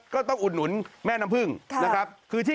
ก็ต้องอุดหนุนแม่น้ำผึ้งนะครับ